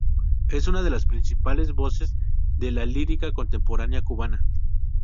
Es una de las principales voces de la lírica contemporánea cubana.